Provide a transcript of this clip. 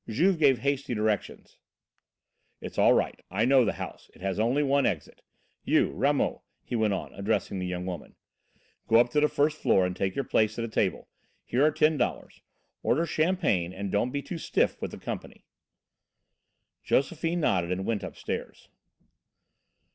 Juve gave hasty directions: "It's all right. I know the house. It has only one exit. You, Ramot," he went on, addressing the young woman, "go up to the first floor and take your place at a table; here are ten dollars, order champagne and don't be too stiff with the company." Josephine nodded and went upstairs.